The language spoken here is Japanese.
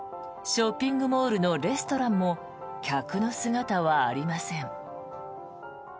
ショッピングモールのレストランも客の姿はありません。